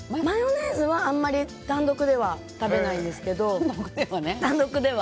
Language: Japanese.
マヨネーズはあんまり単独では食べないんですけど。